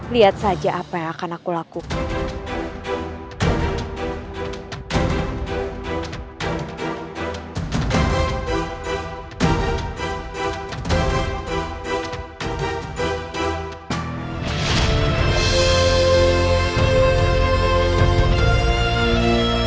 lihat saja apa yang akan aku lakukan